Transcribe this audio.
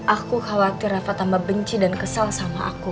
aku khawatir apa tambah benci dan kesal sama aku